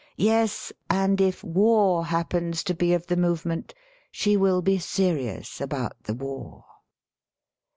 Yes, and if war happens to be of the movement, she will be serious about the war.